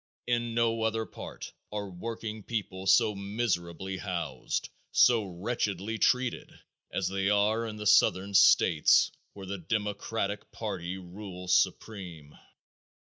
In no other part are working people so miserably housed, so wretchedly treated as they are in the southern states where the democratic party rules supreme.